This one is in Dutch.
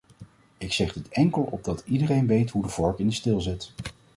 Ik zeg dit enkel opdat iedereen weet hoe de vork in de steel zit.